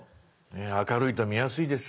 明るいと見やすいです。